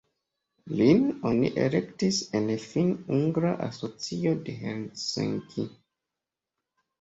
Lin oni elektis en Finn-ugra Asocio de Helsinki.